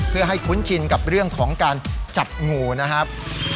เพื่อให้คุ้นชินกับเรื่องของการจับงูนะครับ